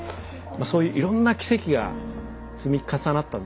そういういろんな奇跡が積み重なったんですけど。